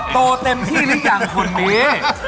โตเต็มที่หรือยังคนนี้